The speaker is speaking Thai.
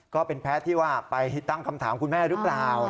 ก็เป็นแพ้ที่ว่าไปตั้งคำถามคุณแม่หรือเปล่า